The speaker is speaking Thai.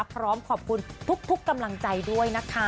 พร้อมขอบคุณทุกกำลังใจด้วยนะคะ